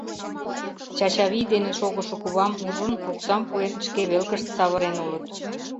Чачавий дене шогышо кувам ужын, оксам пуэн, шке велкышт савырен улыт.